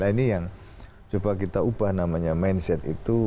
nah ini yang coba kita ubah namanya mindset itu